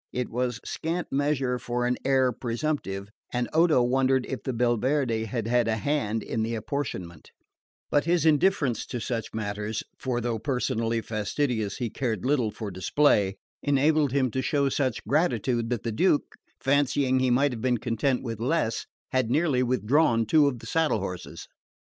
It was scant measure for an heir presumptive, and Odo wondered if the Belverde had had a hand in the apportionment; but his indifference to such matters (for though personally fastidious he cared little for display) enabled him to show such gratitude that the Duke, fancying he might have been content with less, had nearly withdrawn two of the saddle horses.